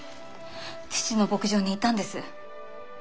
父の牧場にいたんです。